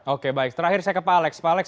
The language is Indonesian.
oke baik terakhir saya ke pak alex